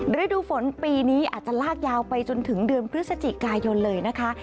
ฤดูฝนปีนี้อาจจะลากยาวไปจนถึงเดือนพฤศจิกายนเลยนะคะ